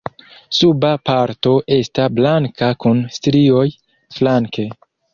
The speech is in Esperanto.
Suba parto esta blanka kun strioj flanke.